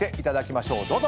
どうぞ。